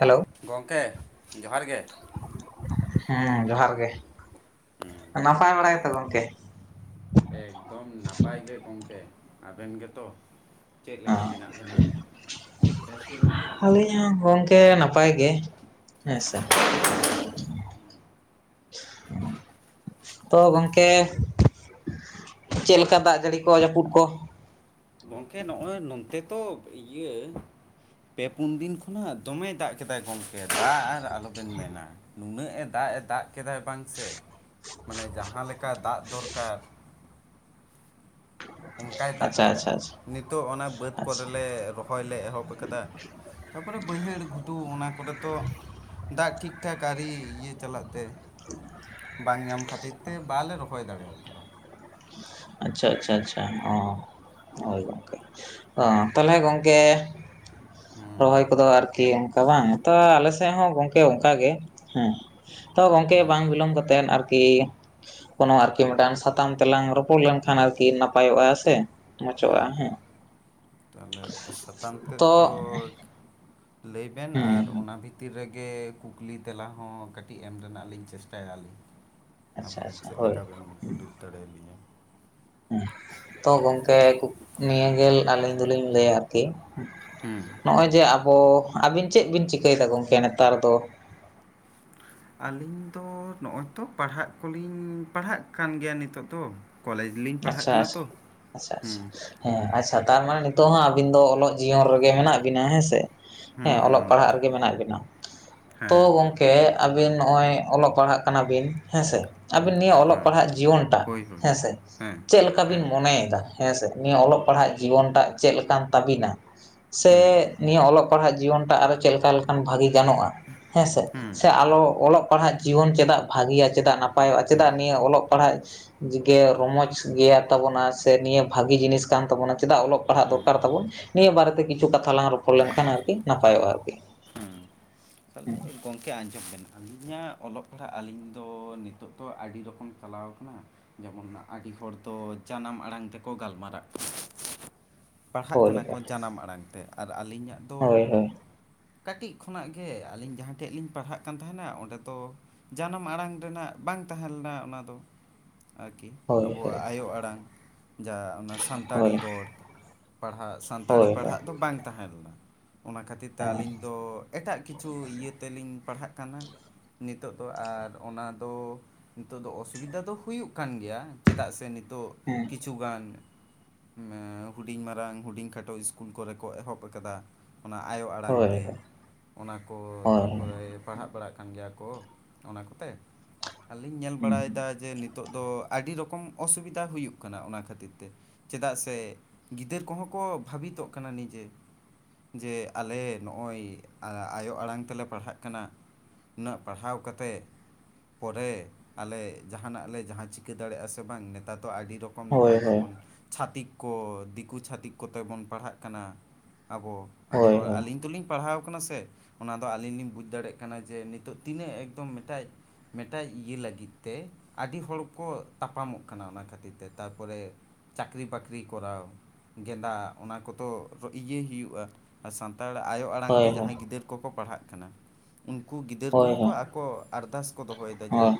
Hello ᱜᱚᱝᱠᱮ ᱡᱚᱦᱟᱨ ᱜᱮ ᱦᱮᱸ ᱡᱚᱦᱟᱨ ᱜᱮ, ᱱᱟᱯᱟᱭ ᱵᱟᱲᱟ ᱜᱮᱛᱚ ᱜᱚᱝᱠᱮ? ᱮᱠᱫᱚᱢ ᱱᱟᱯᱟᱭ ᱜᱮ ᱜᱚᱝᱠᱮ, ᱟᱵᱮᱱ ᱜᱮᱛᱚ? ᱪᱮᱫ ᱞᱮᱠᱟ ᱢᱮᱱᱟᱜ ᱵᱮᱱᱟ ᱵᱮᱥ ᱜᱮ ᱢᱮᱱᱟᱜ ᱵᱮᱱᱟ? ᱤᱧ ᱦᱚᱸ ᱜᱚᱝᱠᱮ ᱱᱟᱯᱟᱭ ᱜᱮ ᱦᱮᱸ ᱥᱮ᱾ ᱛᱚ ᱜᱚᱝᱠᱮ, ᱪᱮᱫ ᱞᱮᱠᱟ ᱫᱟᱜᱽ ᱡᱟᱹᱲᱤ ᱠᱚ ᱡᱟᱹᱯᱩᱫ ᱠᱚ? ᱜᱚᱝᱠᱮ ᱱᱚᱜᱼᱚᱭ ᱱᱚᱱᱛᱮ ᱛᱚᱵ ᱤᱭᱟᱹ ᱯᱮ ᱯᱩᱱ ᱫᱤᱱ ᱠᱷᱚᱱᱟᱜ ᱫᱚᱢᱮᱭ ᱫᱟᱜᱽ ᱠᱮᱫᱟᱭ ᱜᱚᱝᱠᱮ ᱫᱟᱜᱽ ᱟᱨ ᱟᱞᱚᱵᱮᱱ ᱢᱮᱱᱟ᱾ ᱱᱩᱱᱟᱹᱜ ᱮ ᱫᱟᱜᱽ ᱮ ᱫᱟᱜᱽ ᱠᱮᱫᱟᱭ ᱵᱟᱝ ᱥᱮ ᱢᱟᱱᱮ ᱡᱟᱦᱟᱸ ᱞᱮᱠᱟ ᱫᱟᱜᱽ ᱫᱚᱨᱠᱟᱨ ᱚᱱᱠᱟᱭ ᱫᱟᱜᱽ ᱟᱪᱪᱷᱟ ᱠᱮᱫᱟᱭ᱾ ᱟᱪᱪᱷᱟ ᱱᱤᱛᱚᱜ ᱚᱱᱟ ᱵᱟᱹᱫᱽ ᱠᱚᱨᱮ ᱟᱪᱪᱷᱟ ᱞᱮ ᱨᱚᱦᱚᱭ ᱞᱮ ᱮᱦᱚᱵ ᱟᱠᱟᱫᱟ ᱛᱟᱯᱚᱨᱮ ᱵᱟᱹᱭᱦᱟᱹᱲ ᱜᱷᱩᱴᱩ ᱚᱱᱟ ᱠᱚᱨᱮ ᱛᱚ ᱫᱟᱜᱽ ᱴᱷᱤᱠᱴᱷᱟᱠ ᱟᱹᱨᱤ ᱤᱭᱟᱹ ᱪᱟᱞᱟᱜ ᱛᱮ ᱵᱟᱝ ᱧᱟᱢ ᱠᱷᱟᱹᱛᱤᱨ ᱛᱮ ᱵᱟᱞᱮ ᱨᱚᱦᱚᱭ ᱫᱟᱲᱮᱣ ᱠᱟᱫᱟ᱾ ᱟᱪᱪᱷᱟ ᱟᱪᱪᱷᱟ ᱟᱪᱪᱷᱟ ᱚ ᱦᱳᱭ ᱜᱚᱝᱠᱮ, ᱚ ᱛᱟᱦᱞᱮ ᱜᱚᱝ ᱠᱮ ᱦᱩᱸ ᱨᱚᱦᱚᱭ ᱠᱚᱫᱚ ᱟᱨ ᱠᱤ ᱚᱝᱠᱟ ᱵᱟᱝ ᱛᱚ ᱟᱞᱮ ᱥᱮᱜ ᱦᱚᱸ ᱜᱚᱝᱠᱮ ᱚᱝᱠᱟ ᱜᱮ᱾ ᱦᱮᱸ ᱛᱚ ᱜᱚᱝᱠᱮ ᱦᱩᱸ ᱵᱟᱝ ᱵᱤᱞᱚᱢ ᱠᱟᱛᱮᱫ ᱟᱨ ᱠᱤ ᱠᱳᱱᱳ ᱟᱨᱠᱤ ᱢᱤᱜᱴᱟᱝ ᱥᱟᱛᱟᱢ ᱛᱮᱞᱟᱝ ᱨᱚᱯᱚᱲ ᱞᱮᱱᱠᱷᱟᱱ ᱟᱨᱠᱤ ᱱᱟᱯᱟᱭᱚᱜᱼᱟ ᱥᱮ᱾ ᱢᱚᱪᱚᱜᱼᱟ ᱦᱩᱸ ᱦᱩᱸ ᱦᱮᱸ ᱛᱟᱦᱚᱞᱮ ᱥᱟᱛᱟᱢ ᱛᱮᱫ ᱛᱚ ᱫᱚᱠ ᱞᱟᱹᱭᱵᱮᱱ? ᱟᱨ ᱦᱮᱸ ᱚᱱᱟ ᱵᱷᱤᱛᱤᱨ ᱨᱮᱜᱮ ᱠᱩᱠᱞᱤ ᱛᱮᱞᱟ ᱦᱚᱸ ᱠᱟᱹᱴᱤᱜ ᱮᱢ ᱨᱮᱱᱟᱜ ᱞᱤᱧ ᱪᱮᱥᱴᱟᱭᱟ ᱟᱞᱤᱧ᱾ ᱟᱪᱪᱷᱟ ᱟᱵᱮᱱ ᱟᱪᱪᱷᱟ ᱪᱮᱜ ᱦᱳᱭ ᱞᱮᱠᱟ ᱵᱮᱱ ᱠᱩᱞᱤᱯ ᱫᱟᱲᱮᱣ ᱞᱤᱧᱟᱹ᱾ ᱛᱚ ᱜᱚᱝᱠᱮ ᱠᱩᱠ ᱱᱤᱭᱟᱹ ᱜᱮ ᱟᱞᱤᱧ ᱫᱚᱞᱤᱧ ᱞᱟᱹᱭᱟ ᱟᱨᱠᱤ ᱦᱩᱸ, ᱱᱚᱜᱼᱚᱭ ᱡᱮ ᱟᱵᱚ ᱟᱹᱵᱤᱱ ᱪᱮᱜ ᱵᱤᱱ ᱪᱤᱠᱟᱹᱭᱫᱟ ᱜᱚᱝᱠᱮ ᱱᱮᱛᱟᱨ ᱫᱚ? ᱟᱹᱞᱤᱧ ᱫᱚ ᱱᱚᱜᱼᱚᱭ ᱛᱚ ᱯᱟᱲᱦᱟᱜ ᱠᱚᱞᱤᱧ ᱯᱟᱲᱦᱟᱜ ᱠᱟᱱ ᱜᱮᱭᱟ ᱱᱤᱛᱚᱜ ᱫᱚ ᱠᱚᱞᱮᱡᱽ ᱞᱤᱧ ᱯᱟᱲᱦᱟᱜ ᱟᱪᱪᱷᱟ ᱠᱟᱱᱟ ᱟᱪᱪᱷᱟ ᱛᱚ ᱟᱪᱪᱷᱟ ᱦᱩᱸ᱾ ᱟᱪᱪᱷᱟ ᱦᱮᱸ ᱟᱪᱪᱷᱟ ᱛᱟᱨᱢᱟᱱᱮ ᱱᱤᱛᱚᱜ ᱦᱚᱸ ᱟᱵᱤᱱ ᱫᱚ ᱚᱞᱚᱜ ᱡᱤᱭᱚᱱ ᱨᱮᱜᱮ ᱢᱮᱱᱟᱜ ᱵᱤᱱᱟ ᱦᱮᱸ ᱥᱮ᱾ ᱦᱩᱸ ᱦᱮᱸ ᱚᱞᱚᱜ ᱦᱩᱸ ᱯᱟᱲᱦᱟᱜ ᱨᱮᱜᱮ ᱢᱮᱱᱟᱜ ᱵᱤᱱᱟ᱾ ᱛᱚ ᱦᱮᱸ ᱜᱚᱝᱼ ᱠᱮ ᱟᱹᱵᱤᱱ ᱱᱚᱸᱜᱼᱚᱭ ᱚᱞᱚᱜ ᱯᱟᱲᱦᱟᱜ ᱠᱟᱱᱟᱵᱤᱱ ᱦᱮᱸᱥᱮ, ᱦᱩᱸ ᱟᱹᱵᱤᱱ ᱱᱤᱭᱟᱹ ᱚᱞᱚᱜ ᱦᱮᱸ ᱯᱟᱲᱦᱟᱜ ᱡᱤᱭᱚᱱ ᱴᱟᱜ ᱦᱳᱭ ᱦᱳᱭ ᱦᱮᱸᱥᱮ ᱦᱮᱸ ᱪᱮᱜ ᱞᱮᱠᱟ ᱵᱤᱱ ᱦᱮᱸ ᱢᱚᱱᱮᱭᱮᱫᱟ? ᱦᱮᱸᱥᱮ ᱱᱤᱭᱟᱹ ᱚᱞᱚᱜ ᱯᱟᱲᱦᱟᱜ ᱡᱤᱵᱚᱱ ᱴᱟᱜ ᱪᱮᱜ ᱞᱮᱠᱟᱱ ᱛᱟᱹᱵᱤᱱᱟ? ᱦᱩᱸ ᱥᱮ ᱱᱤᱭᱟᱹ ᱚᱞᱚᱜᱼᱼ ᱯᱟᱲᱦᱟᱜ ᱡᱤᱭᱚᱱ ᱴᱟᱜ ᱟᱨᱚ ᱪᱮᱜ ᱠᱟ ᱞᱮᱠᱟᱱ ᱵᱷᱟᱜᱮ ᱜᱟᱱᱚᱜᱼᱟ? ᱦᱮᱸᱥᱮ ᱦᱩᱸ ᱥᱮ ᱟᱞᱚ ᱚᱞᱚᱜ ᱯᱟᱲᱦᱟᱜᱼᱼ ᱡᱤᱭᱚᱱ ᱪᱮᱫᱟᱜ ᱵᱷᱟᱜᱮᱭᱟ, ᱪᱮᱫᱟᱜ ᱱᱟᱯᱟᱭᱚᱜᱼᱟ, ᱪᱮᱫᱟᱜ ᱱᱤᱭᱟᱹ ᱚᱞᱚᱜ ᱯᱟᱲᱦᱟᱜ ᱜᱮ ᱨᱚᱢᱚᱡᱽᱼ ᱜᱮᱭᱟ ᱛᱟᱵᱚᱱᱟ, ᱥᱮ ᱱᱤᱭᱟᱹ ᱵᱷᱟᱹᱜᱤ ᱡᱤᱱᱤᱥ ᱠᱟᱱ ᱛᱟᱵᱚᱱᱟ, ᱪᱮᱫᱟᱜ ᱚᱞᱚᱜ ᱯᱟᱲᱦᱟᱜ ᱫᱚᱨᱠᱟᱨ ᱛᱟᱵᱚᱱ? ᱱᱤᱭᱟᱹ ᱵᱟᱨᱮᱛᱮ ᱠᱤᱪᱷᱩ ᱠᱟᱛᱷᱟ ᱞᱟᱝ ᱨᱚᱯᱚᱲ ᱞᱮᱱᱠᱷᱟᱱ ᱟᱨᱠᱤ ᱱᱟᱯᱟᱭᱚᱜᱼᱟ ᱟᱨᱠᱤ᱾ ᱛᱟᱦᱞᱮ ᱜᱚᱝᱠᱮ ᱟᱸᱡᱚᱢ ᱵᱮᱱ ᱟᱹᱞᱤᱧᱟᱜ ᱚᱞᱚᱜ ᱯᱟᱲᱦᱟᱜ ᱟᱹᱞᱤᱧ ᱫᱚ ᱱᱤᱛᱚᱜ ᱫᱚ ᱟᱹᱰᱤ ᱨᱚᱠᱚᱢᱼ ᱪᱟᱞᱟᱣ ᱠᱟᱱᱟ, ᱡᱮᱢᱚᱱ ᱱᱟᱜ ᱟᱰᱤ ᱦᱚᱲ ᱫᱚ ᱡᱟᱱᱟᱢ ᱟᱲᱟᱝ ᱛᱮᱠᱚ ᱜᱟᱞᱢᱟᱨᱟᱜ ᱠᱟᱱᱟ᱾ ᱯᱟᱲᱦᱟᱜ ᱦᱳᱭ ᱠᱟᱱᱟ ᱠᱚ ᱞᱮᱠᱟ᱾ ᱡᱟᱱᱟᱢ ᱟᱲᱟᱝ ᱛᱮ ᱟᱨ ᱟᱞᱤᱧᱟᱜ ᱫᱚᱼᱼ ᱦᱳᱭ ᱦᱳᱭ ᱠᱟᱴᱤᱡ ᱠᱷᱚᱱᱟᱜ ᱜᱮ ᱟᱞᱤᱧ ᱡᱟᱦᱟᱸ ᱴᱷᱮᱡ ᱞᱤᱧ ᱯᱟᱲᱦᱟᱜ ᱠᱟᱱ ᱛᱟᱦᱮᱱᱟ ᱚᱸᱰᱮ ᱫᱚᱼᱼ ᱡᱟᱱᱟᱢ ᱟᱲᱟᱝ ᱨᱮᱱᱟᱜ ᱵᱟᱝ ᱛᱟᱦᱮᱸ ᱞᱮᱱᱟ ᱚᱱᱟ ᱫᱚ᱾ ᱟᱨᱠᱤ ᱦᱳᱭ ᱟᱵᱳᱣᱟᱜ ᱟᱭᱳ ᱟᱲᱟᱝ, ᱡᱟ ᱚᱱᱟ ᱥᱟᱱᱛᱟᱲᱤ ᱦᱳᱭ ᱨᱚᱲ᱾ ᱦᱟᱸᱜ ᱥᱟᱱᱛᱟᱲᱤ ᱦᱳᱭ ᱦᱳᱭ ᱦᱳᱭ ᱯᱟᱲᱦᱟᱜ ᱫᱚ ᱵᱟᱝ ᱛᱟᱦᱮᱸ ᱞᱮᱱᱟ ᱾ ᱚᱱᱟ ᱠᱷᱟᱹᱛᱤᱨ ᱛᱮ ᱦᱮᱸ ᱟᱹᱞᱤᱧ ᱫᱚᱼᱼ ᱮᱴᱟᱜ ᱠᱤᱪᱷᱩ ᱤᱭᱟᱹ ᱛᱮᱞᱤᱧ ᱯᱟᱲᱦᱟᱜ ᱠᱟᱱᱟ᱾ ᱱᱤᱛᱜ ᱫᱚ ᱟᱨ ᱚᱱᱟᱫᱚᱻ ᱱᱤᱛᱚᱜ ᱫᱚ ᱚᱥᱩᱵᱤᱫᱷᱟ ᱫᱚ ᱦᱩᱭᱩᱜ ᱠᱟᱱ ᱜᱮᱭᱟ, ᱪᱮᱫᱟᱜ ᱥᱮ ᱱᱤᱛᱚᱜ ᱦᱮᱸ ᱠᱤᱪᱷᱩᱜᱟᱱ ᱢᱮᱸᱻ ᱦᱩᱰᱤᱧ ᱢᱟᱨᱟᱝ ᱦᱩᱰᱤᱧ ᱠᱷᱟᱴᱚ ᱤᱥᱠᱩᱞ ᱠᱚᱨᱮ ᱠᱚ ᱮᱦᱚᱵ ᱠᱟᱫᱟ᱾ ᱚᱱᱟ ᱟᱭᱳ ᱟᱲᱟᱝ ᱦᱳᱭ ᱛᱮ᱾ ᱚᱱᱟ ᱠᱚ ᱦᱳᱭ ᱦᱩᱸ ᱛᱟᱯᱚᱨᱮ ᱯᱟᱲᱦᱟᱜ ᱵᱟᱲᱟᱜ ᱠᱟᱱ ᱜᱮᱭᱟ ᱠᱚ ᱚᱱᱟ ᱠᱚᱛᱮ, ᱟᱨᱞᱤᱧ ᱧᱮᱞ ᱵᱟᱲᱟᱭᱫᱟ ᱡᱮ ᱱᱤᱼ ᱛᱳᱜ ᱫᱚ ᱟᱹᱰᱤ ᱨᱚᱠᱚᱢ ᱚᱥᱩᱵᱤᱫᱷᱟ ᱦᱩᱭᱩᱜ ᱠᱟᱱᱟ ᱚᱱᱟ ᱠᱷᱟᱹᱛᱤᱨ ᱛᱮ᱾ ᱪᱮᱫᱟᱜ ᱥᱮ ᱜᱤᱫᱽᱟᱹᱨ ᱠᱚᱦᱚᱸ ᱠᱚ ᱵᱷᱟᱵᱤᱛᱚᱜ ᱠᱟᱱᱟ ᱱᱤᱡᱮ ᱡᱮ ᱟᱞᱮ ᱱᱚᱸᱜᱼᱚᱭ ᱟᱭᱳ ᱟᱲᱟᱝ ᱛᱮᱞᱮ ᱯᱟᱲᱦᱟᱜ ᱠᱟᱱᱟ ᱩᱱᱟᱹᱜ ᱯᱟᱲᱦᱟᱣ ᱠᱟᱛᱮᱫ ᱯᱚᱨᱮ ᱟᱞᱮ ᱡᱟᱦᱟᱱᱟᱜ ᱞᱮ ᱡᱟᱦᱟᱸ ᱪᱤᱠᱟᱹ ᱫᱟᱲᱮᱭᱟᱜᱼᱟ ᱥᱮ ᱵᱟᱝ, ᱱᱮᱛᱟᱨ ᱫᱚ ᱟᱹᱰᱤ ᱨᱚᱼ ᱠᱚᱢ ᱦᱳᱭ ᱱᱚᱸᱜ-ᱚᱭ ᱦᱳᱭ ᱡᱮᱢᱚᱱ ᱪᱷᱟᱛᱤᱠ ᱠᱚ ᱫᱤᱠᱩ ᱪᱷᱟᱛᱤᱠ ᱠᱚᱛᱮ ᱵᱚᱱ ᱯᱟᱲᱦᱟᱜ ᱠᱟᱱᱟ ᱟᱵᱳ, ᱟᱹᱰᱤ ᱦᱳᱭ ᱦᱚᱲ ᱟᱹᱞᱤᱧ ᱫᱩᱞᱤᱧ ᱯᱟᱲᱦᱟᱣ ᱠᱟᱱᱟ ᱥᱮ, ᱚᱱᱟᱫᱚ ᱟᱹᱞᱤᱧ ᱞᱤᱧ ᱵᱩᱡᱽ ᱫᱟᱲᱮᱭᱟᱜ ᱠᱟᱱᱟ ᱡᱮ ᱱᱤᱛᱚᱜ ᱛᱤᱱᱟᱹᱜ ᱮᱠᱫᱚᱢ ᱢᱮᱴᱟᱡ ᱢᱮᱴᱟᱡ ᱤᱭᱟᱹ ᱞᱟᱹᱜᱤᱫ ᱛᱮ ᱟᱰᱤ ᱦᱚᱲᱠᱚ ᱛᱟᱯᱟᱢᱚᱜ ᱠᱟᱱᱟ ᱚᱱᱟ ᱠᱷᱟᱹᱛᱤᱨ ᱛᱮ᱾ ᱛᱟᱨᱯᱚᱨᱮ ᱪᱟᱹᱠᱨᱤ ᱵᱟᱹᱠᱷᱨᱤ ᱠᱚᱨᱟᱣ᱾ ᱜᱮᱸᱫᱟᱜ ᱚᱱᱟ ᱠᱚᱫᱚ ᱤᱭᱟᱹᱭ ᱦᱩᱭᱩᱜᱼᱟ ᱟᱥᱟᱱᱼ ᱛᱟᱲ ᱟᱭᱳ ᱟᱲᱟᱝ ᱛᱮ ᱦᱳᱭ ᱦᱳᱭ ᱡᱟᱦᱟᱸᱭ ᱜᱤᱫᱟᱹᱨ ᱠᱚᱠᱚ ᱯᱟᱲᱦᱟᱜ ᱠᱟᱱᱟ ᱩᱱᱠᱩ ᱜᱤᱫᱟᱹᱨ ᱦᱳᱭ ᱦᱳᱭ ᱠᱚᱦᱚᱸ ᱠᱚ ᱟᱠᱚ ᱟᱨᱫᱟᱥ ᱠᱚ ᱫᱚᱦᱚᱭ ᱮᱫᱟ ᱡᱮ,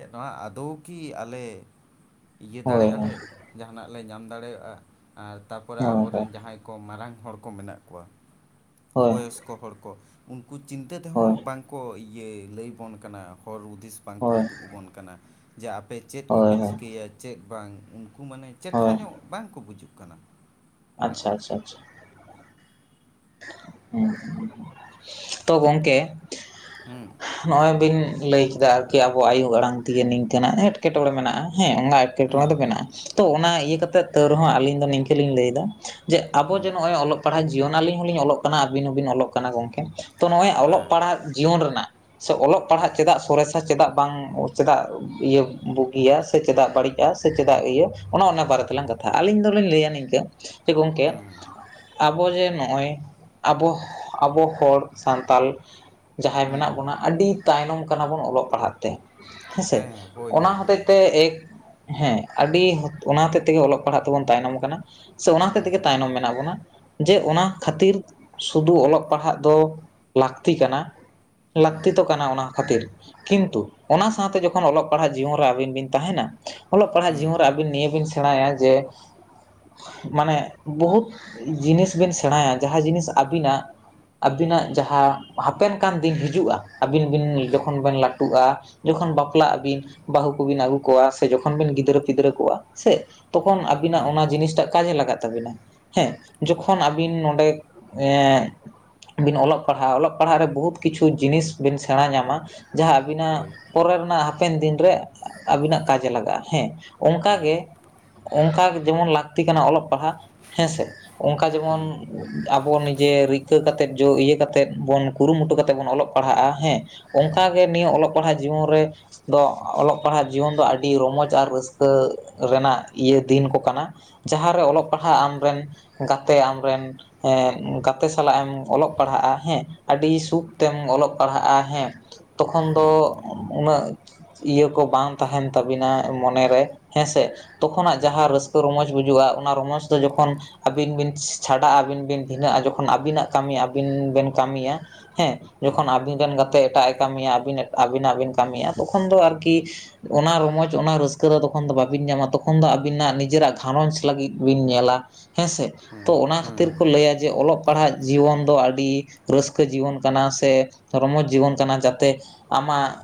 ᱪᱮᱫ ᱱᱚᱣᱟ ᱟᱫᱳᱣ ᱠᱤ ᱟᱞᱮ ᱤᱭᱟᱹ ᱦᱳᱭ ᱦᱳᱭ ᱫᱟᱲᱮᱭᱟᱜ ᱞᱮ, ᱡᱟᱦᱟᱱᱟᱜ ᱞᱮ ᱧᱟᱢ ᱫᱟᱲᱮᱭᱟᱜᱼᱟ᱾ ᱟᱨ ᱦᱳᱭ ᱛᱟᱯᱚᱨᱮ ᱦᱳᱭ ᱦᱳᱭ ᱟᱵᱚᱨᱮᱱ ᱡᱟᱦᱟᱸᱭ ᱠᱚ ᱢᱟᱨᱟᱝ ᱦᱚᱲ ᱠᱚ ᱢᱮᱱᱟᱜ ᱠᱚᱣᱟ, ᱦᱳᱭ ᱵᱚᱭᱚᱥᱠᱚ ᱦᱚᱲ ᱠᱚ, ᱩᱱᱠᱩ ᱪᱤᱱᱛᱟᱹ ᱦᱳᱭ ᱛᱮᱦᱚᱸ ᱵᱟᱝᱠᱚ ᱤᱭᱟᱹ ᱞᱟᱹᱭᱵᱚᱱ ᱠᱟᱱᱟ ᱦᱚᱨ ᱦᱩᱫᱤᱥ ᱵᱟᱝᱠᱚ ᱦᱳᱭ ᱩᱫᱩᱜ ᱚᱵᱚᱱ ᱠᱟᱱᱟ ᱾ᱡᱮ ᱟᱯᱮ ᱪᱮᱫ ᱠᱚᱯᱮ ᱦᱳᱭ ᱪᱤᱠᱟᱹᱭᱟ ᱪᱮᱫ ᱵᱟᱝ ᱠᱩ ᱢᱟᱱᱮ ᱪᱮᱴᱷᱟ ᱦᱳᱭ ᱧᱚᱜ ᱵᱟᱝᱠᱚ ᱵᱩᱡᱩᱜ ᱠᱟᱱᱟ᱾ ᱚᱱᱮ ᱟᱪᱪᱷᱟ ᱚᱱᱟ ᱟᱪᱷᱟ ᱟᱪᱷᱟ᱾ ᱛᱚ ᱜᱚᱝᱠᱮ, ᱦᱩᱸ ᱱᱚᱸᱜᱼᱚᱭ ᱵᱤᱱ ᱞᱟᱹᱭ ᱠᱮᱫᱟ᱾ ᱟᱨ ᱠᱤ ᱟᱵᱚᱣᱟᱜ ᱟᱭᱳ ᱟᱲᱟᱝ ᱛᱮᱜᱮ ᱱᱤᱝᱠᱟᱹᱱᱟᱜ ᱮᱸᱴᱠᱮᱴᱚᱬᱮ ᱢᱮᱱᱟᱜᱼᱟ᱾ ᱦᱮᱸ ᱚᱱᱟ ᱮᱸᱴᱠᱮᱴᱚᱬᱮ ᱦᱩᱸ ᱫᱚ ᱢᱮᱱᱟᱜ-ᱟ, ᱛᱳ ᱚᱱᱟ ᱤᱭᱟᱹ ᱠᱟᱛᱮᱫ ᱛᱟᱣ ᱨᱮᱦᱚᱸ ᱟᱹᱞᱤᱧ ᱫᱚ ᱱᱤᱝᱠᱟᱹ ᱞᱤᱧ ᱞᱟᱹᱭᱫᱟ, ᱡᱮ, ᱟᱵᱚ ᱦᱩᱸ ᱡᱮ ᱱᱚᱸᱜ-ᱚᱭ ᱚᱞ ᱯᱟᱲᱦᱟᱜ ᱡᱤᱭᱚᱱ ᱟᱹᱞᱤᱧ ᱦᱚᱸᱞᱤᱧ ᱚᱞᱚᱜ ᱠᱟᱱᱟ, ᱟᱹᱵᱤᱱ ᱦᱚᱸᱵᱤᱱ ᱚᱞᱚᱜ ᱠᱟᱱᱟ ᱜᱚᱝᱠᱮ ᱛᱚ ᱱᱚᱜᱼᱚᱭ ᱚᱞᱚᱜ ᱦᱮᱸ ᱯᱟᱲᱦᱟᱜ ᱡᱤᱭᱚᱱ ᱨᱮᱱᱟᱜ ᱥᱮ ᱚᱞᱚᱜ ᱯᱟᱲᱦᱟᱜ ᱪᱮᱫᱟᱜ ᱥᱚᱨᱮᱥᱟ ᱪᱮᱫᱟᱜ ᱵᱟᱝ ᱪᱮᱫᱟᱜ ᱤᱭᱟᱹ ᱵᱩᱜᱤᱭᱟ ᱥᱮ ᱪᱮᱫᱟᱜ ᱵᱟᱹᱲᱤᱡ ᱥᱮ ᱪᱮᱫᱟᱜ ᱤᱭᱟᱹ, ᱚᱱᱮ ᱚᱱᱟ ᱵᱟᱨᱮ ᱛᱮᱞᱟᱝ ᱠᱟᱛᱷᱟᱜᱼᱟ᱾ ᱟᱹᱞᱤᱧ ᱫᱚᱞᱤᱧ ᱞᱟᱹᱭᱟ ᱱᱤᱝᱠᱟᱹ ᱡᱮ ᱜᱚᱝᱠᱮ ᱦᱩᱸ ᱟᱵᱚ ᱡᱮ ᱱᱚᱜᱼᱚᱭ ᱟᱵᱚ ᱟᱵᱚ ᱦᱚᱲ ᱥᱟᱱᱛᱟᱞ ᱡᱟᱦᱟᱸᱭ ᱦᱩᱸ ᱢᱮᱱᱟᱜ ᱵᱚᱱᱟ ᱟᱹᱰᱤ ᱛᱟᱭᱱᱚᱢ ᱠᱟᱱᱟ ᱵᱚᱱ ᱚᱞᱚᱜ ᱯᱟᱲᱦᱟᱜ ᱛᱮ ᱦᱮᱸᱥᱮ, ᱦᱮᱸ ᱦᱳᱭ ᱚᱱᱟ ᱦᱳᱭ ᱦᱳᱭ ᱦᱚᱛᱮᱡ ᱛᱮ ᱮᱠ ᱦᱮᱸ ᱟᱹᱰᱤ ᱚᱱᱟ ᱦᱚᱛᱮᱫ ᱛᱮᱜᱮ ᱚᱞᱚᱜ ᱯᱟᱲᱦᱟᱜ ᱛᱮᱵᱚᱱ ᱛᱟᱭᱱᱚᱢ ᱠᱟᱱᱟ᱾ ᱥᱮ ᱚᱱᱟ ᱦᱚᱛᱮᱜ ᱛᱮᱜᱮ ᱛᱟᱭᱱᱚᱢ ᱢᱮᱱᱟᱜ ᱵᱚᱱᱟ, ᱡᱮ ᱚᱱᱟ ᱥᱩᱫᱩ ᱚᱞᱚᱜ ᱯᱟᱲᱦᱟᱜ ᱫᱚ ᱞᱟᱹᱠᱛᱤ ᱠᱟᱱᱟ᱾ ᱞᱟᱹᱠᱛᱤ ᱦᱩᱸ ᱫᱚ ᱠᱟᱱᱟ ᱚᱱᱟ ᱠᱷᱟᱹᱛᱤᱨ, ᱠᱤᱱᱛᱩ ᱚᱱᱟ ᱥᱟᱸᱶᱛᱮ ᱡᱚᱠᱷᱚᱱ ᱚᱞᱚᱜ ᱯᱟᱲᱦᱟᱜ ᱡᱤᱭᱚᱱ ᱨᱮ ᱟᱹᱵᱤᱱ ᱵᱤᱱ ᱛᱟᱦᱮᱸᱱᱟ, ᱚᱞᱚᱜ ᱯᱟᱲᱦᱟᱜ ᱡᱤᱭᱚᱱ ᱨᱮ ᱟᱹᱵᱤᱱ ᱱᱤᱭᱟᱹ ᱵᱤᱱ ᱥᱮᱬᱟᱭᱟ ᱡᱮ ᱢᱟᱱᱮ ᱵᱚᱦᱩᱛ ᱡᱤᱱᱤᱥ ᱵᱤᱱ ᱥᱮᱬᱟᱭᱟ ᱾ ᱡᱟᱦᱟᱸ ᱡᱤᱱᱤᱥ ᱟᱹᱵᱤᱱᱟᱜ ᱟᱹᱵᱤᱱᱟᱜ ᱡᱟᱦᱟᱸ ᱦᱟᱯᱮᱱ ᱠᱟᱱ ᱫᱤᱱ ᱦᱤᱡᱩᱜᱼᱟ ᱟᱹᱵᱤᱱ ᱵᱤᱱ ᱡᱚᱠᱷᱚᱱ ᱵᱤᱱ ᱞᱟᱹᱴᱩᱜᱼᱟ, ᱡᱚᱠᱷᱚᱱ ᱵᱟᱯᱞᱟᱜ ᱟᱹᱵᱤᱱ ᱵᱟᱹᱦᱩ ᱠᱚᱵᱤᱱ ᱟᱹᱜᱩ ᱠᱚᱣᱟ ᱥᱮ ᱡᱚᱠᱷᱚᱱ ᱵᱤᱱ ᱜᱤᱫᱽᱨᱟᱹ ᱯᱤᱫᱽᱨᱟᱹ ᱠᱚᱣᱟ ᱥᱮ, ᱛᱚᱠᱷᱚᱱ ᱟᱹᱵᱤᱱᱟᱜ ᱚᱱᱟ ᱡᱤᱱᱤᱥᱴᱟᱜ ᱠᱟᱡᱮ ᱞᱟᱜᱟ ᱛᱟᱵᱤᱱᱟ᱾ ᱦᱮᱸ, ᱡᱚᱠᱷᱚᱱ ᱟᱹᱵᱤᱱ ᱱᱚᱰᱮ [inaudible] ᱵᱤᱱ ᱚᱞᱚᱜ ᱯᱟᱲᱦᱟᱜ ᱚᱞᱚᱜ ᱯᱟᱲᱦᱟᱜ ᱨᱮ ᱵᱚᱦᱩᱫ ᱠᱤᱪᱷᱩ ᱡᱤᱱᱤᱥ ᱵᱤᱱ ᱥᱮᱬᱟ ᱧᱟᱢᱟ, ᱡᱟᱦᱟᱸ ᱟᱹᱵᱤᱱᱟᱜ ᱯᱚᱨᱮ ᱨᱮᱱᱟᱜ ᱦᱟᱯᱮᱱ ᱫᱤᱱ ᱨᱮ ᱟᱹᱵᱤᱱᱟᱜ ᱠᱟᱡᱮ ᱞᱟᱜᱟᱜᱼᱟ ᱦᱮᱸ, ᱚᱝᱠᱟᱜᱮ ᱚᱝᱠᱟ ᱜᱮ ᱡᱮᱢᱚᱱ ᱞᱟᱹᱠᱛᱤ ᱠᱟᱱᱟ ᱚᱞᱚᱜ ᱯᱟᱲᱦᱟᱜ ᱦᱮᱸᱥᱮ, ᱚᱝᱠᱟ ᱡᱮᱢᱚᱱ ᱟᱵᱚ ᱱᱤᱡᱮ ᱨᱤᱠᱟᱹ ᱠᱟᱛᱮᱫ ᱡᱚ ᱤᱭᱟᱹ ᱠᱟᱛᱮᱫ ᱵᱚᱱ ᱠᱩᱨᱩᱢᱩᱴᱩ ᱠᱟᱛᱮᱫ ᱵᱚᱱ ᱚᱞᱚᱜ ᱯᱟᱲᱦᱟᱜᱼᱟ ᱦᱮᱸ᱾ ᱚᱝᱠᱟ ᱜᱮ ᱱᱤᱭᱟᱹ ᱚᱞᱚᱜ ᱯᱟᱲᱦᱟᱜ ᱡᱤᱵᱚᱱ ᱨᱮ ᱫᱚ ᱚᱞᱚᱜ ᱯᱟᱲᱦᱟᱜ ᱡᱤᱭᱚᱱ ᱫᱚ ᱟᱹᱰᱤ ᱨᱚᱢᱚᱡᱽ ᱟᱨ ᱨᱟᱹᱥᱠᱟᱹ ᱨᱮᱱᱟᱜ ᱤᱭᱟᱹ ᱫᱤᱱ ᱠᱚ ᱠᱟᱱᱟ᱾ ᱡᱟᱦᱟᱸᱨᱮ ᱚᱞᱚᱜ ᱯᱟᱲᱦᱟᱜ ᱟᱢᱨᱮᱱ ᱜᱟᱛᱮ ᱟᱢᱨᱮᱱ ᱦᱮᱸ ᱜᱟᱛᱮ ᱥᱟᱞᱟᱜ ᱮᱢ ᱚᱞᱚᱜ ᱯᱟᱲᱦᱟᱜᱼᱟ ᱦᱮᱸ, ᱟᱹᱰᱤ ᱥᱩᱠ ᱛᱮᱢ ᱚᱞᱚᱜ ᱯᱟᱲᱦᱟᱜᱼᱟ ᱦᱮᱸ, ᱛᱚᱠᱷᱚᱱ ᱫᱚ ᱩᱱᱟᱹᱜ ᱤᱭᱟᱹ ᱠᱚ ᱵᱟᱝ ᱛᱟᱦᱮᱸᱱ ᱛᱟᱵᱤᱱᱟ ᱢᱚᱱᱮ ᱨᱮ ᱦᱮᱸᱥᱮ᱾ ᱛᱚᱠᱷᱚᱱᱟᱜ ᱡᱟᱦᱟᱸ ᱨᱟᱹᱥᱠᱟᱹ ᱨᱚᱢᱚᱡ ᱵᱩᱡᱩᱜᱼᱟ ᱚᱱᱟ ᱨᱚᱢᱚᱡᱽ ᱫᱚ ᱡᱚᱠᱷᱚᱱ ᱟᱹᱵᱤᱱ ᱵᱤᱱ ᱪᱷᱟᱰᱟᱜ ᱟᱹᱵᱤᱱ ᱵᱤᱱ ᱵᱷᱤᱱᱟᱹᱜᱼᱟ, ᱡᱚᱠᱷᱚᱱ ᱟᱹᱵᱤᱱᱟᱜ ᱠᱟᱹᱢᱤ ᱟᱹᱵᱤᱱ ᱵᱤᱱ ᱠᱟᱹᱢᱤᱭᱟ᱾ ᱦᱮᱸ, ᱡᱚᱠᱷᱚᱱ ᱟᱹᱵᱤᱱ ᱨᱮᱱ ᱜᱟᱛᱮ ᱮᱴᱟᱜᱼᱮ ᱠᱟᱹᱢᱤᱭᱟ ᱟᱹᱵᱤᱱᱟᱜ ᱵᱤᱱ ᱠᱟᱹᱢᱤᱭᱟ, ᱛᱚᱠᱷᱚᱱ ᱫᱚ ᱟᱨᱠᱤ ᱚᱱᱟ ᱨᱚᱢᱚᱡᱽ ᱚᱱᱟ ᱨᱟᱹᱥᱠᱟᱹ ᱫᱚ ᱛᱚᱠᱷᱚᱱ ᱫᱚ ᱵᱟᱵᱤᱱ ᱧᱟᱢᱟ, ᱛᱚᱠᱷᱚᱱ ᱫᱚ ᱟᱹᱵᱤᱱᱟᱜ ᱱᱤᱡᱮᱨᱟᱜ ᱜᱷᱟᱨᱚᱸᱡᱽ ᱞᱟᱹᱜᱤᱫ ᱵᱤᱱ ᱧᱮᱞᱟ᱾ ᱦᱮᱸᱥᱮ ᱛᱚ ᱚᱱᱟ ᱠᱷᱟᱹᱛᱤᱨ ᱠᱚ ᱞᱟᱹᱭᱟ ᱡᱮ ᱚᱞᱚᱜ ᱯᱟᱲᱦᱟᱜ ᱡᱤᱭᱚᱱ ᱫᱚ ᱟᱹᱰᱤ ᱨᱟᱹᱥᱠᱟᱹ ᱡᱤᱭᱚᱱ ᱠᱟᱱᱟ ᱥᱮ ᱨᱚᱢᱚᱡ ᱡᱤᱵᱚᱱ ᱠᱟᱱᱟ, ᱡᱟᱛᱮ ᱟᱢᱟᱜ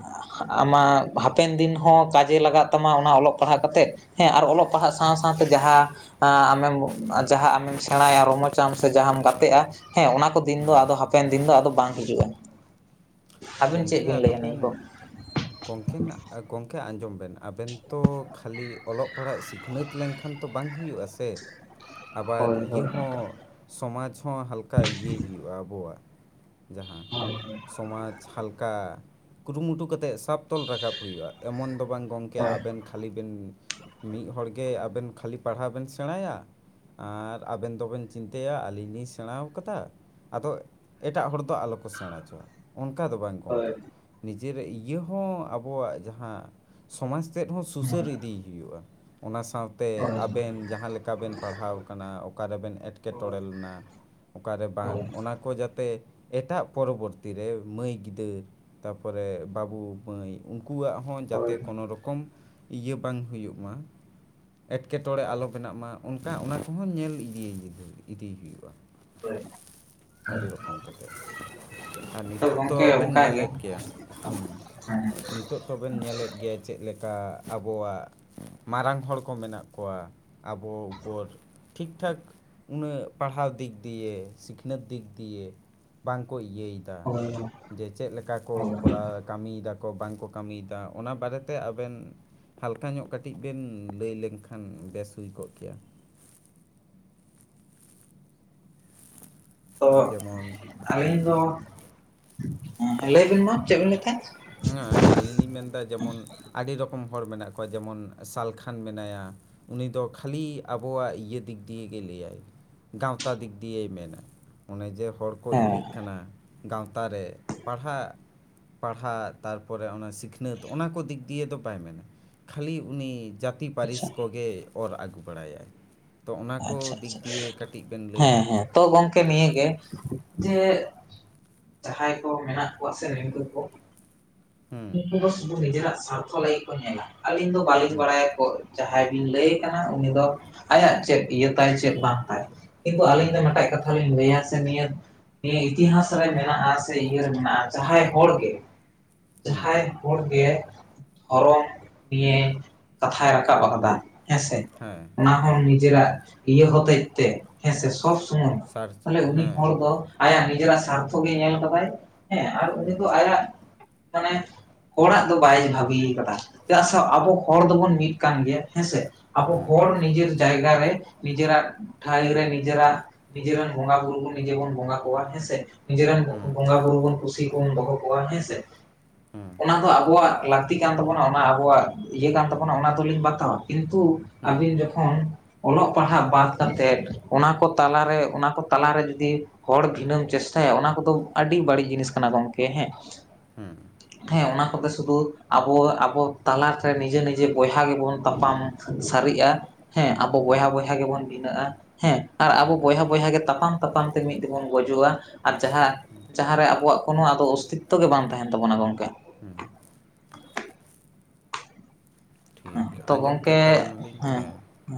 ᱟᱢᱟᱜ ᱦᱟᱯᱮᱱ ᱫᱤᱱ ᱦᱚᱸ ᱠᱟᱡᱮ ᱞᱟᱜᱟᱜ ᱛᱟᱢᱟ ᱚᱱᱟ ᱚᱞᱚᱜ ᱯᱟᱲᱦᱟᱜ ᱠᱟᱛᱮᱫ᱾ ᱦᱮᱸ ᱟᱨ ᱚᱞᱚᱜ ᱯᱟᱲᱦᱟᱜ ᱥᱟᱶ ᱥᱟᱶᱛᱮ ᱡᱟᱦᱟᱸ ᱟᱢᱮᱢ ᱡᱟᱦᱟᱸ ᱟᱢᱮᱢ ᱥᱮᱬᱟᱭᱟ ᱨᱚᱢᱚᱡᱽ ᱪᱟᱢ ᱥᱮ ᱡᱟᱦᱟᱸᱢ ᱜᱟᱛᱮᱜᱼᱟ, ᱦᱮᱸ ᱚᱱᱟ ᱠᱚ ᱫᱤᱱ ᱫᱚ ᱟᱫᱚ ᱦᱟᱯᱮᱱ ᱫᱤᱱ ᱫᱚ ᱟᱫᱚ ᱵᱟᱝ ᱦᱤᱡᱩᱜᱼᱟ᱾ ᱟᱹᱵᱤᱱ ᱪᱮᱫ ᱜᱚᱝᱠᱮ ᱵᱤᱱ ᱟᱫᱚ ᱞᱟᱹᱭᱟ ᱱᱤᱭᱟᱹ ᱯᱮᱱ ᱠᱚ ᱜᱚᱝᱠᱮᱱ ᱜᱚᱝᱠᱮ ᱟᱸᱡᱚᱢ ᱵᱮᱱ ᱟᱵᱮᱱ ᱛᱚ ᱠᱷᱟᱞᱤ ᱚᱞᱚᱜ ᱯᱟᱲᱦᱟᱜ ᱥᱤᱠᱷ ᱱᱟᱹᱛ ᱞᱮᱝᱠᱷᱟᱱ ᱛᱚ ᱵᱟᱝ ᱦᱩᱭᱩᱜᱼᱟ ᱥᱮ! [inaudible] ᱟᱵᱟᱨ ᱤᱭᱟᱹ ᱦᱳᱭ ᱦᱚᱸ ᱥᱚᱢᱟᱡᱽ ᱦᱚᱸ ᱦᱟᱞᱠᱟ ᱤᱭᱟᱹᱭ ᱦᱩᱭᱩᱜᱼᱟ ᱟᱵᱚᱣᱟᱜ ᱾ ᱡᱟᱦᱟᱸ ᱥᱚᱢᱟᱡᱽ ᱦᱟᱞᱠᱟ ᱠᱩᱨᱩᱢᱩᱴᱩ ᱠᱟᱛᱮᱫ ᱥᱟᱵ ᱛᱚᱞ ᱨᱟᱠᱟᱵ ᱦᱩᱭᱩᱜᱼᱟ, ᱮᱢᱚᱱ ᱫᱚ ᱵᱟᱝ ᱜᱚᱝᱠᱮ ᱟᱵᱮᱱ ᱠᱷᱟ ᱠᱷᱟᱹᱞᱤ ᱵᱮᱱ ᱢᱤᱜ ᱦᱚᱲ ᱜᱮ ᱟᱵᱮᱱ ᱠᱷᱟᱞᱤ ᱯᱟᱲᱦᱟ ᱵᱮᱱ ᱥᱮᱬᱟᱭᱟ, ᱟᱨ ᱟᱵᱮᱱ ᱫᱚᱵᱮᱱ ᱪᱤᱱᱛᱟᱹᱭᱟ ᱟᱹᱞᱤᱧ ᱞᱤᱧ ᱥᱮᱬᱟ ᱟᱠᱟᱫᱟ᱾ ᱟᱫᱚ ᱮᱴᱟᱜ ᱦᱚᱲ ᱫᱚ ᱟᱞᱚ ᱠᱚ ᱥᱮᱬᱟ ᱚᱪᱚᱣᱟ᱾ ᱚᱱᱠᱟ ᱫᱚ ᱵᱟᱝ ᱦᱳᱭ ᱜᱚᱢᱠᱮ, ᱱᱤᱡᱮᱨᱟᱜ ᱤᱭᱟᱹ ᱦᱚᱸ ᱟᱵᱚᱣᱟᱜ ᱡᱟᱦᱟᱸ ᱥᱚᱢᱟᱡᱽ ᱛᱮᱫ ᱦᱚᱸ ᱥᱩᱥᱟᱹᱨ ᱤᱫᱤᱭ ᱦᱩᱭᱩᱜᱼᱟ ᱚᱱᱟ ᱥᱟᱶ ᱛᱮ ᱦᱳᱭ ᱟᱵᱮᱱ ᱡᱟᱦᱟᱸ ᱞᱮᱠᱟ ᱵᱮᱱ ᱯᱟᱲᱦᱟᱣ ᱠᱟᱱᱟ ᱚᱠᱟᱨᱮᱵᱮᱱ ᱮᱴᱠᱮᱴᱚᱬᱮ ᱞᱮᱱᱟ ᱚᱠᱟᱨᱮ ᱵᱟᱝ, ᱚᱱᱟ ᱠᱚ ᱡᱟᱛᱮ ᱮᱴᱟᱜ ᱯᱚᱨᱚᱵᱚᱨᱛᱤ ᱨᱮ ᱢᱟᱹᱭ ᱜᱤᱫᱟᱹᱨ ᱛᱟᱨᱯᱚᱨᱮ ᱵᱟᱹᱵᱩ ᱢᱟᱹᱭ ᱩᱱᱠᱩᱣᱟᱜ ᱦᱚᱸ ᱡᱟᱛᱮ ᱦᱳᱭ ᱠᱳᱱᱳ ᱨᱚᱠᱚᱢ ᱤᱭᱟᱹ ᱵᱟᱝ ᱦᱩᱭᱩᱜ ᱢᱟ, ᱮᱴᱠᱮᱴᱚᱬᱮ ᱦᱳᱭ ᱟᱞᱚ ᱵᱮᱱᱟᱜ ᱢᱟ᱾ ᱚᱱᱠᱟ ᱚᱱᱟ ᱠᱚᱦᱚᱸ ᱧᱮᱞ [unintelligible] ᱤᱫᱤᱭ ᱦᱩᱭᱩᱜᱼᱟ᱾ ᱦᱳᱭ ᱟᱹᱰᱤ ᱨᱚᱠᱚᱢ ᱠᱟᱛᱮᱜ, ᱟᱨ ᱛᱚ ᱱᱤᱛᱳᱜ ᱜᱚᱢᱠᱮ ᱚᱵᱮᱱ ᱚᱱᱠᱟ ᱜᱮ ᱧᱮᱞᱮᱫ ᱜᱮᱭᱟ ᱦᱮᱸ ᱦᱮᱸ ᱱᱤᱛᱳᱜ ᱛᱚᱵᱮᱱ ᱧᱮᱞᱮᱫ ᱜᱮ ᱪᱮᱫ ᱞᱮᱠᱟ ᱟᱵᱚᱣᱟᱜ ᱢᱟᱨᱟᱝ ᱦᱚᱲ ᱠᱚ ᱢᱮᱱᱟᱜ ᱠᱚᱣᱟ ᱟᱵᱚ ᱩᱯᱚᱨ᱾ ᱴᱷᱤᱠᱴᱷᱟᱠ ᱩᱱᱟᱹᱜ ᱯᱟᱲᱦᱟᱣ ᱫᱤᱠ ᱫᱤᱭᱮ ᱥᱤᱠᱷᱱᱟᱹᱛ ᱫᱤᱠ ᱫᱤᱭᱮ ᱵᱟᱝᱠᱚ ᱤᱭᱟᱹᱭᱮᱫᱟ᱾ [inaudible] ᱡᱮ ᱪᱮᱫ ᱞᱮᱠᱟ ᱠᱚ ᱦᱳᱭ ᱠᱚᱨᱟᱣ ᱠᱟᱹᱢᱤᱭᱮᱫᱟᱠᱚ ᱵᱟᱝᱠᱚ ᱠᱟᱹᱢᱤᱭᱮᱫᱟ ᱚᱱᱟ ᱵᱟᱨᱮᱛᱮ ᱟᱵᱮᱱ ᱦᱟᱞᱠᱟ ᱧᱚᱜ ᱠᱟᱹᱴᱤᱡ ᱵᱮᱱ ᱞᱟᱹᱭ ᱞᱮᱱᱠᱷᱟᱱ ᱵᱮᱥ ᱦᱩᱭ ᱠᱚᱜ ᱠᱮᱭᱟ᱾ [inaudible] ᱛᱚ ᱡᱮᱢᱚᱱ ᱟᱹᱞᱤᱧ ᱦᱩᱸ ᱫᱚ, ᱦᱮᱸᱞᱟᱹᱭᱵᱤᱱ ᱢᱟ ᱪᱮᱫ ᱵᱤᱱ ᱞᱟᱹᱭ ᱛᱟᱦᱮᱸᱫ? ᱦᱮᱸ ᱟᱹᱞᱤᱧ ᱞᱤᱧ ᱢᱮᱱᱫᱟ ᱡᱮᱢᱚᱱ ᱟᱹᱰᱤ ᱨᱚᱠᱚᱢ ᱦᱚᱲ ᱢᱮᱱᱟᱜ ᱠᱚᱣᱟ ᱡᱮᱢᱚᱱ ᱥᱟᱞᱠᱷᱟᱱ ᱢᱮᱱᱟᱭᱟ᱾ ᱩᱱᱤ ᱫᱚ ᱠᱷᱟᱹᱞᱤ ᱟᱵᱚᱣᱟᱜ ᱤᱭᱟᱹ ᱫᱤᱠ ᱫᱤᱭᱮ ᱜᱮ ᱞᱟᱹᱭᱟᱭ᱾ ᱜᱟᱶᱛᱟ ᱫᱤᱠ ᱫᱤᱭᱮᱭ ᱢᱮᱱᱟ ᱚᱱᱮ ᱡᱮ ᱦᱚᱲ ᱠᱚ ᱦᱮᱸ ᱤᱭᱟᱹᱜ ᱠᱟᱱᱟ ᱜᱟᱶᱛᱟ ᱨᱮ ᱯᱟᱲᱦᱟᱜ ᱯᱟᱲᱦᱟᱜ ᱛᱟᱨᱯᱚᱨᱮ ᱚᱱᱟ ᱥᱤᱠᱷᱱᱟᱹᱛ ᱚᱱᱟ ᱠᱚ ᱫᱤᱠ ᱫᱤᱭᱮ ᱫᱚ ᱵᱟᱭ ᱢᱮᱱᱟ ᱠᱷᱟᱹᱞᱤ ᱩᱱᱤ ᱡᱟ ᱛᱤ ᱟᱪᱪᱷᱟ ᱯᱟᱹᱨᱤᱥ ᱠᱚᱜᱮᱭ ᱚᱨ ᱟᱹᱜᱩ ᱵᱟᱲᱟᱭᱟᱭ᱾ ᱛᱚ ᱚᱱᱟ ᱠᱚ ᱟᱪᱪᱷᱟ ᱫᱤᱠ ᱟᱪᱪᱷᱟ ᱫᱤᱭᱮ ᱠᱟᱹᱴᱤᱡ ᱵᱮᱱ ᱞᱟᱹᱭᱟ᱾ ᱦᱮᱸ ᱦᱮᱸ ᱛᱚ ᱜᱚᱢᱠᱮ ᱱᱤᱭᱟᱹᱜᱮ ᱡᱮ ᱡᱟᱦᱟᱸᱭ ᱠᱚ ᱢᱮᱱᱟᱜ ᱠᱚᱣᱟ ᱥᱮ ᱱᱤᱝᱠᱟᱹ ᱠᱚ᱾ ᱦᱩᱸ ᱩᱱᱠᱩ ᱫᱚ ᱥᱩᱫᱷᱩ ᱱᱤᱡᱮᱨᱟᱜ ᱥᱟᱨᱛᱷᱚ ᱞᱟᱹᱜᱤᱫ ᱠᱚ ᱧᱮᱞᱟ ᱟᱹᱞᱤᱧ ᱫᱚ ᱵᱟᱹᱞᱤᱧ ᱦᱩᱸ ᱵᱟᱲᱟᱭᱟ ᱛᱚ ᱡᱟᱦᱟᱸᱭ ᱵᱤᱱ ᱞᱟᱹᱭᱮ ᱠᱟᱱᱟ ᱩᱱᱤ ᱫᱚ ᱟᱭᱟᱜ ᱪᱮᱫ ᱤᱭᱟᱹ ᱛᱟᱭ ᱪᱮᱫ ᱵᱟᱝ ᱛᱟᱭ᱾ ᱠᱤᱱᱛᱩ ᱟᱹᱞᱤᱧ ᱦᱩᱸ ᱫᱚ ᱢᱮᱴᱟᱜ ᱠᱟᱛᱷᱟᱞᱤᱧ ᱞᱟᱹᱭᱟ ᱥᱮ ᱱᱤᱭᱟᱹ ᱱᱤᱭᱟᱹ ᱤᱛᱤᱦᱟᱥ ᱨᱮ ᱢᱮᱱᱟᱜᱼᱟ ᱥᱮ ᱤᱭᱟᱹ ᱨᱮ ᱢᱮᱱᱟᱜᱼᱟ ᱡᱟᱦᱟᱸᱭ ᱦᱚᱲ ᱜᱮ ᱦᱩᱸ ᱡᱟᱦᱟᱸᱭ ᱦᱚᱲᱜᱮ ᱫᱷᱚᱨᱚᱢ ᱱᱤᱭᱮ ᱠᱟᱛᱷᱟᱭ ᱨᱟᱠᱟᱵ ᱟᱠᱟᱫᱟ᱾ ᱦᱮᱸᱥᱮ ᱦᱮᱸ ᱚᱱᱟ ᱦᱚᱸ ᱦᱮᱸ ᱱᱤᱡᱮᱨᱟᱜ ᱤᱭᱟᱹ ᱦᱚᱛᱮᱡ ᱛᱮ ᱦᱮᱸᱥᱮ ᱥᱚᱵᱽ ᱥᱚᱢᱚᱭ ᱥᱟᱨᱪ ᱛᱟᱦᱞᱮ ᱩᱱᱤ ᱦᱚᱲ ᱦᱮᱸ ᱫᱚ ᱟᱭᱟᱜ ᱱᱤᱡᱮᱨᱟᱜ ᱥᱟᱨᱛᱷᱚ ᱜᱮᱭ ᱧᱮᱞ ᱠᱟᱫᱟᱭ ᱦᱮᱸ ᱟᱨ ᱩᱱᱤ ᱦᱩᱸ ᱫᱚ ᱟᱭᱟᱜ ᱢᱟᱱᱮ ᱦᱚᱲᱟᱜ ᱫᱚ ᱵᱟᱭ ᱵᱷᱟᱵᱤᱭ ᱠᱟᱫᱟ ᱪᱮᱫᱟᱜ ᱥᱮ ᱟᱵᱚ ᱦᱚᱲ ᱫᱚᱵᱚᱱ ᱢᱤᱫ ᱠᱟᱱ ᱜᱮᱭᱟ ᱦᱮᱸᱥᱮ᱾ ᱟᱵᱚ ᱦᱩᱸ ᱦᱚᱲ ᱱᱤᱡᱮᱨ ᱡᱟᱭᱜᱟ ᱨᱮ ᱱᱤᱡᱮᱨᱟᱜ ᱴᱷᱟᱹᱭ ᱨᱮ ᱱᱤᱡᱮᱨᱟᱜ ᱱᱤᱡᱮ ᱨᱮᱱ ᱵᱚᱸᱜᱟ ᱵᱩᱨᱩ ᱠᱚ ᱱᱤᱡᱮ ᱵᱚᱱ ᱵᱚᱸᱜᱟ ᱠᱚᱣᱟ ᱦᱮᱸᱥᱮ᱾ ᱱᱤᱡᱮ ᱨᱮᱱ ᱵᱚᱸ, ᱵᱚᱸᱜᱟ ᱵᱩᱨᱩ ᱵᱚᱱ ᱠᱩᱥᱤᱠᱚ ᱵᱚᱱ ᱫᱚᱦᱚ ᱠᱚᱣᱟ ᱦᱮᱸ ᱥᱮ᱾ ᱦᱩᱸ ᱚᱱᱟ ᱫᱚ ᱟᱵᱚᱣᱟᱜ ᱞᱟᱹᱠᱛᱤ ᱠᱟᱱ ᱛᱟᱵᱚᱱᱟ ᱚᱱᱟ ᱟᱵᱚᱣᱟᱜ ᱤᱭᱟᱹ ᱠᱟᱱ ᱛᱟᱵᱚᱱᱟ ᱚᱱᱟ ᱫᱚᱞᱤᱧ ᱵᱟᱛᱟᱣᱟ ᱠᱤᱱᱛᱩ ᱦᱩᱸ ᱟᱵᱤᱱ ᱡᱚ ᱚᱞᱚᱜ ᱯᱟᱲᱦᱟᱜ ᱵᱟᱫ ᱠᱟᱛᱮᱫ ᱚᱱᱟ ᱠᱚ ᱛᱟᱞᱟᱨᱮ ᱚᱱᱟ ᱠᱚ ᱛᱟᱞᱟᱨᱮ ᱡᱩᱫᱤ ᱦᱚᱲ ᱵᱷᱤᱱᱟᱹᱢ ᱪᱮᱥᱴᱟᱭᱟ ᱚᱱᱟ ᱠᱚᱫᱚ ᱟᱹᱰᱤ ᱵᱟᱹᱲᱤᱡ ᱡᱤᱱᱤᱥ ᱠᱟᱱᱟ ᱜᱚᱝᱠᱮ ᱦᱮᱸ᱾ ᱦᱩᱸ ᱦᱮᱸ ᱚᱱᱟ ᱠᱚ ᱫᱚ ᱥᱩᱫᱩ ᱟᱵᱚ ᱟᱵᱚ ᱛᱟᱞᱟᱨᱮ ᱱᱤᱡᱮ ᱱᱤᱡᱮ ᱵᱚᱭᱦᱟ ᱜᱮᱵᱚᱱ ᱛᱟᱯᱟᱢ ᱥᱟᱨᱤᱜ-ᱟ ᱦᱮᱸ ᱟᱵᱚ ᱵᱚᱭᱦᱟ ᱵᱚᱭᱦᱟ ᱜᱮᱵᱚᱱ ᱵᱷᱤᱱᱟᱹᱜ-ᱟ᱾ ᱦᱮᱸ ᱟᱨ ᱟᱵᱚ ᱵᱚᱭᱦᱟ ᱵᱚᱭᱦᱟ ᱜᱮ ᱛᱟᱯᱟᱢ ᱛᱟᱯᱟᱢ ᱛᱮ ᱢᱤᱫ ᱛᱤᱵᱚᱱ ᱜᱩᱡᱩᱜ-ᱟ ᱟᱨ ᱡᱟᱦᱟᱸ ᱡᱟᱦᱟᱸᱨᱮ ᱟᱵᱚᱣᱟᱜ ᱠᱳᱱᱳ ᱟᱫᱚ ᱚᱥᱛᱤᱛᱛᱚ ᱜᱮ ᱵᱟᱝ ᱛᱟᱦᱮᱱ ᱛᱟᱵᱚᱱᱟ ᱜᱚᱝᱠᱮ᱾ ᱦᱩᱸ ᱦᱮᱸ ᱴᱷᱤᱠ ᱛᱚ ᱟᱸᱡᱚᱢ ᱜᱚᱝᱠᱮ ᱠᱮᱫ ᱛᱟᱵᱮᱱᱟᱞᱤᱧ ᱦᱮᱸ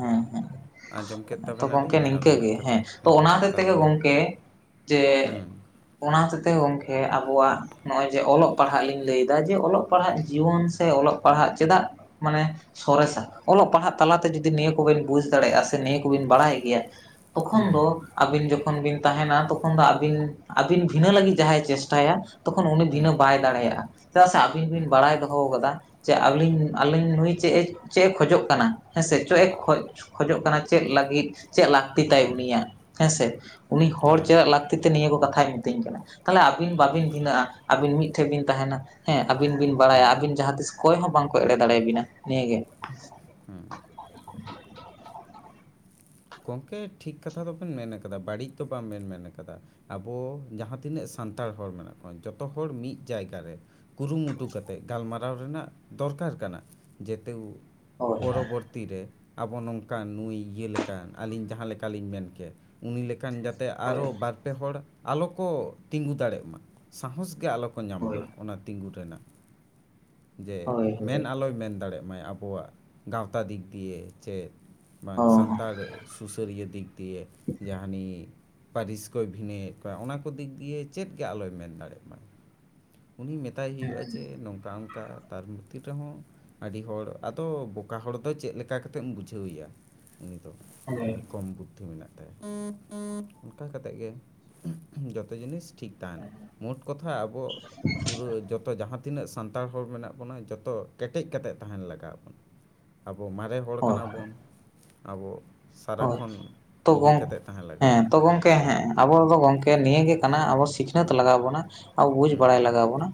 ᱦᱮᱸ ᱦᱮᱸ᱾ ᱟᱸᱡᱚᱢ ᱠᱮᱫ ᱛᱚ ᱜᱚᱝᱠᱮ ᱛᱟᱵᱮᱱᱟᱞᱤᱧ ᱱᱤᱝᱠᱟᱹ ᱟᱵᱮᱱᱟᱜ ᱜᱮ ᱠᱟᱛᱷᱟ ᱦᱮᱸ, ᱛᱚ ᱚᱱᱟ ᱦᱚᱛᱮᱜ ᱛᱮᱜᱮ ᱛᱟᱦᱚᱞᱮ ᱞᱮ ᱜᱚᱝᱠᱮ ᱡᱮ ᱦᱩᱸ ᱚᱱᱟ ᱦᱚᱸᱛᱮᱜ ᱛᱮᱜᱮ ᱜᱚᱝᱠᱮ ᱟᱵᱚᱣᱟᱜ ᱱᱚᱜ-ᱚᱭ ᱡᱮ ᱚᱞᱚᱜ ᱯᱟᱲᱦᱟᱜ ᱞᱤᱧ ᱞᱟᱹᱭ ᱮᱫᱟ᱾ ᱡᱮ ᱚᱞᱚᱜ ᱯᱟᱲᱦᱟᱜ ᱡᱤᱭᱚᱱ ᱥᱮ ᱚᱞᱚᱜ ᱯᱟᱲᱦᱟᱜ ᱪᱮᱫᱟᱜ ᱢᱟᱱᱮ ᱥᱚᱨᱮᱥᱟ᱾ ᱚᱞᱚᱜ ᱯᱟᱲᱦᱟᱜ ᱛᱟᱞᱟᱛᱮ ᱡᱩᱫᱤ ᱱᱤᱭᱟᱹ ᱠᱚᱵᱮᱱ ᱵᱩᱡᱽ ᱫᱟᱲᱮᱭᱟᱜᱼᱟ ᱥᱮ ᱱᱤᱭᱟᱹ ᱠᱚᱵᱤᱱ ᱵᱟᱲᱟᱭ ᱜᱮᱭᱟ᱾ ᱛᱚᱠᱷᱚᱱ ᱦᱩᱸ ᱫᱚ ᱟᱹᱵᱤᱱ ᱡᱚᱠᱷᱚᱱ ᱵᱤᱱ ᱛᱟᱦᱮᱱᱟ ᱛᱚᱠᱷᱚᱱ ᱫᱚ ᱟᱹᱵᱤᱱ ᱟᱹᱵᱤᱱ ᱵᱷᱤᱱᱟᱹ ᱞᱟᱹᱜᱤᱫ ᱡᱟᱦᱟᱸᱭ ᱪᱮᱥᱴᱟᱭᱟ ᱛᱚᱠᱷᱚᱱ ᱩᱱᱤ ᱦᱩᱸ ᱵᱷᱤᱱᱟᱹ ᱵᱟᱭ ᱫᱟᱲᱮᱭᱟᱜ-ᱟ᱾ ᱪᱮᱫᱟᱜ ᱥᱮ ᱟᱹᱵᱤᱱ ᱵᱤᱱ ᱦᱩᱸ ᱵᱟᱲᱟᱭ ᱫᱚᱦᱚᱣ ᱠᱟᱫᱟ ᱡᱮ ᱟᱹᱞᱤᱧ ᱟᱞᱤᱧ ᱱᱩᱭ ᱪᱮᱫ-ᱮ ᱪᱮᱫ-ᱮ ᱠᱷᱚᱡᱚᱜ ᱠᱟᱱᱟ ᱦᱮᱸᱥᱮ ᱪᱮᱫ ᱮ ᱠᱷᱚᱡ ᱠᱷᱚᱡᱚᱜ ᱠᱟᱱᱟ ᱪᱮᱫ ᱞᱟᱹᱜᱤᱫ, ᱪᱮᱫ ᱞᱟᱹᱠᱛᱤ ᱛᱟᱭ ᱦᱩᱸ ᱩᱱᱤᱭᱟᱜ ᱦᱮᱸᱥᱮ ᱩᱱᱤ ᱦᱚᱲ ᱦᱮᱸ ᱪᱮᱫᱟᱜ ᱞᱟᱹᱠ ᱠᱷᱟᱹᱛᱤᱨ ᱛᱮ ᱱᱤᱭᱟᱹ ᱠᱚ ᱠᱟᱛᱷᱟᱭ ᱢᱤᱛᱟᱹᱧ ᱠᱟᱱᱟ᱾ ᱛᱟᱞᱦᱮ ᱟᱹᱵᱤᱱ ᱦᱮᱸ ᱵᱟᱵᱤᱱ ᱵᱷᱤᱱᱟᱹᱜᱼᱟ᱾ ᱟᱹᱵᱤᱱ ᱢᱤᱫ ᱴᱷᱮᱱ ᱵᱤᱱ ᱛᱟᱦᱮᱱᱟ᱾ ᱦᱮᱸ ᱟᱹᱵᱤᱱ ᱵᱤᱱ ᱦᱮᱸ ᱵᱟᱲᱟᱭᱟ ᱟᱹᱵᱤᱱ ᱡᱟᱦᱟᱸ ᱛᱤᱥ ᱚᱠᱚᱭ ᱦᱚᱸ ᱵᱟᱝᱠᱚ ᱮᱲᱮ ᱫᱟᱲᱮᱭᱟ ᱵᱤᱱᱟ ᱱᱤᱭᱟᱹᱜᱮ᱾ ᱦᱩᱸ᱾ ᱜᱚᱝᱠᱮ ᱴᱷᱤᱠ ᱠᱟᱛᱷᱟ ᱫᱚᱵᱮᱱ ᱢᱮᱱ ᱠᱟᱫᱟ, ᱵᱟᱹᱲᱤᱡ ᱫᱚ ᱵᱟᱝ ᱵᱮᱱ ᱢᱮᱱ ᱠᱟᱫᱟ᱾ ᱟᱵᱚ ᱡᱟᱦᱟᱸ ᱛᱤᱱᱟᱹᱜ ᱥᱟᱱᱛᱟᱲ ᱦᱚᱲ ᱢᱮᱱᱟᱜ ᱠᱚᱣᱟ ᱡᱚᱛᱚ ᱦᱚᱲ ᱢᱤᱫ ᱡᱟᱭᱜᱟ ᱨᱮ ᱠᱩᱨᱩᱢᱩᱴᱩ ᱠᱟᱛᱮᱫ ᱜᱟᱞᱢᱟᱨᱟᱣ ᱨᱮᱱᱟᱜ ᱫᱚᱨᱠᱟᱨ ᱠᱟᱱᱟ ᱡᱮᱛᱮᱣ ᱦᱳᱭ ᱯᱚᱨᱚᱵᱚᱨᱛᱤ ᱨᱮ ᱟᱵᱚ ᱱᱚᱝᱠᱟᱱ ᱱᱩᱭ ᱤᱭᱟᱹ ᱞᱮᱠᱟᱱ, ᱟᱹᱞᱤᱧ ᱡᱟᱦᱟᱸ ᱞᱮᱠᱟᱞᱤᱧ ᱢᱮᱱ ᱠᱮᱜ ᱩᱱᱤ ᱞᱮᱠᱟᱱ ᱡᱟᱛᱮ ᱦᱳᱭ ᱟᱨᱚ ᱵᱟᱨ ᱯᱮ ᱦᱚᱲ ᱟᱞᱚ ᱠᱚ ᱛᱤᱸᱜᱩ ᱫᱟᱲᱮᱜ ᱢᱟ᱾ ᱥᱸᱟᱦᱚᱥ ᱜᱮ ᱟᱞᱚ ᱠᱚ ᱧᱟᱢ ᱦᱳᱭ ᱢᱟ ᱚᱱᱟ ᱛᱤᱸᱜᱩ ᱨᱮᱱᱟᱜ᱾ ᱡᱮ ᱦᱳᱭ ᱢᱮᱱ ᱟᱞᱚᱭ ᱢᱮᱱ ᱫᱟᱲᱮᱜ ᱢᱟᱭ ᱟᱵᱚᱣᱟᱜ ᱜᱟᱶᱛᱟ ᱫᱤᱠ ᱫᱤᱭᱮ ᱪᱮᱫ ᱵᱟᱝ ᱦᱳᱭ ᱥᱟᱱᱛᱟᱲ ᱥᱩᱥᱟᱹᱨᱤᱭᱟᱹ ᱫᱤᱠ ᱫᱤᱭᱮ ᱡᱮ ᱦᱟᱱᱤ ᱯᱟᱹᱨᱤᱥ ᱠᱚᱭ ᱵᱷᱤᱱᱟᱹᱭᱮᱫ ᱠᱚᱣᱟ᱾ ᱚᱱᱟ ᱠᱚ ᱫᱤᱠ ᱫᱤᱭᱮ ᱪᱮᱫ ᱜᱮ ᱟᱞᱚᱭ ᱢᱮᱱ ᱫᱟᱲᱮᱜ ᱢᱟ᱾ ᱩᱱᱤ ᱢᱮᱛᱟᱭ ᱦᱩᱭᱩᱜ-ᱟ ᱡᱮ ᱱᱚᱝᱠᱟ ᱚᱱᱠᱟ ᱛᱟᱨ ᱵᱷᱤᱛᱤᱨ ᱨᱮᱦᱚᱸ ᱟᱹᱰᱤ ᱦᱚᱲ ᱟᱫᱚ ᱵᱚᱠᱟ ᱦᱚᱲ ᱫᱚ ᱪᱮᱫ ᱞᱮᱠᱟ ᱠᱟᱛᱮᱢ ᱵᱩᱡᱷᱟᱹᱣᱮᱭᱟ᱾ ᱩᱱᱤ ᱫᱚ ᱦᱳᱭ ᱡᱟᱦᱟᱭ ᱠᱚᱢ ᱵᱩᱫᱽᱫᱷᱤ ᱢᱮᱱᱟᱜ ᱛᱟᱭᱟ᱾ ᱚᱱᱠᱟ ᱠᱟᱛᱮᱜ ᱜᱮ ᱡᱚᱛᱚ ᱡᱤᱱᱤᱥ ᱴᱷᱤᱠ ᱛᱟᱦᱮᱱᱟ᱾ ᱢᱳᱴ ᱠᱟᱛᱷᱟ ᱟᱵᱚ ᱯᱩᱨᱟᱹ ᱡᱚᱛᱚ ᱡᱟᱦᱟᱸ ᱛᱤᱱᱟᱹᱜ ᱥᱟᱱᱛᱟᱲ ᱦᱚᱲ ᱢᱮᱱᱟᱜ ᱵᱚᱱᱟ, ᱡᱚᱛᱚ ᱠᱮᱴᱮᱡ ᱠᱟᱛᱮᱜ ᱛᱟᱦᱮᱱ ᱞᱟᱜᱟᱣ ᱵᱚᱱᱟ᱾ [inaudible] ᱟᱵᱚ ᱢᱟᱨᱮ ᱦᱚᱲ ᱦᱳᱭ ᱠᱟᱱᱟ ᱵᱚᱱ᱾ ᱟᱵᱚ ᱦᱳᱭ ᱥᱟᱨᱟᱠᱷᱚᱱ ᱛᱚ ᱤᱭᱟᱹ ᱜᱚᱝ ᱠᱟᱛᱮᱫ ᱛᱟᱦᱮᱸ ᱞᱟᱜᱟᱣ ᱵᱚᱱᱟ᱾ ᱛᱚ ᱦᱮᱸ ᱜᱚᱝᱠᱮ ᱦᱮᱸ᱾ ᱟᱵᱚ ᱫᱚ ᱜᱚᱝᱠᱮ ᱱᱤᱭᱟᱹ ᱜᱮ ᱠᱟᱱᱟ ᱟᱵᱚ ᱥᱤᱠᱷᱱᱟᱹᱛ ᱞᱟᱜᱟᱣ ᱵᱚᱱᱟ, ᱟᱵᱚ ᱵᱩᱡᱽ ᱦᱮᱸ ᱵᱟᱲᱟᱭ ᱞᱟᱜᱟᱣ ᱵᱚᱱᱟ᱾